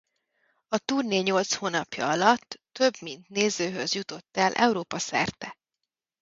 A turné nyolc hónapja alatt több mint nézőhöz jutott el Európa-szerte.